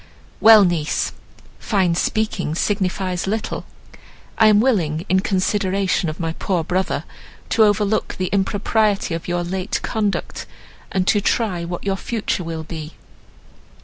"Well! niece, fine speaking signifies little. I am willing, in consideration of my poor brother, to overlook the impropriety of your late conduct, and to try what your future will be."